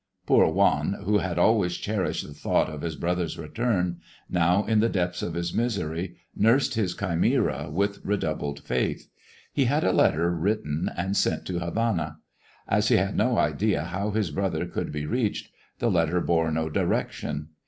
Poor Juan, who had always cherished the thought of his brother's return, now in the depths of his misery nursed his chimera with redoubled faith. He had a letter written and sent to Havana. As he had no idea how his brother could be reached, the letter bore no direction.